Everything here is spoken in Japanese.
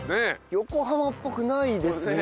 横浜っぽくないですね。